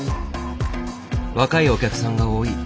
若いお客さんが多い。